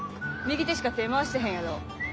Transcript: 右手しか手ぇ回してへんやろ。